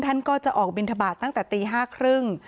ท่านก็จะออกบินทบาทตั้งแต่ตี๕๓๐